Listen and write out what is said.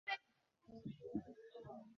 আমি আপনার সহিত কাজ করিতে সর্বদাই প্রস্তুত আছি।